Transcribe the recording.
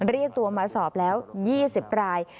เรียกตัวมาสอบแล้ว๒๐ราย